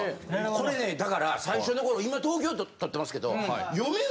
これねだから最初の頃今東京で撮ってますけど。